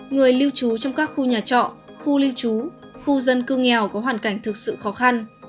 người lưu trú trong các khu nhà trọ khu lưu trú khu dân cư nghèo có hoàn cảnh thực sự khó khăn